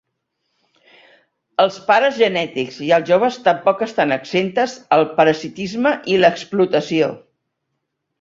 Els pares genètics i els joves tampoc estan exemptes al parasitisme i l'explotació.